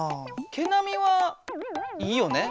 毛なみはいいよね。